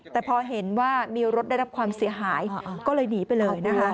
แต่พอเห็นว่ามีรถได้รับความเสียหายก็เลยหนีไปเลยนะคะ